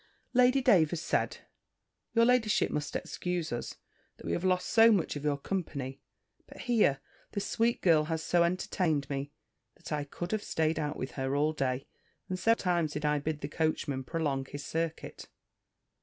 Lady Davers said, "Your ladyship must excuse us, that we have lost so much of your company; but here, this sweet girl has so entertained me, that I could have staid out with her all day; and several times did I bid the coachman prolong his circuit."